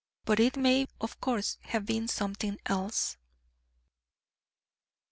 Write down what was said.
But it may of course have been something else."